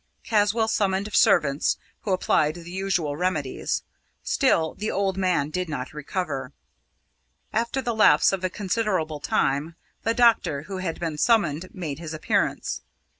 Caswall summoned servants, who applied the usual remedies. Still the old man did not recover. After the lapse of a considerable time, the doctor who had been summoned made his appearance.